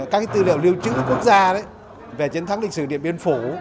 các cái tư liệu lưu trữ quốc gia đấy về chiến thắng lịch sử điện biển phủ